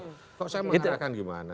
kok saya mengarahkan gimana